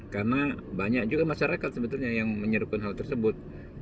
karena banyak juga masyarakat sebetulnya yang menyerupkan hal tersebut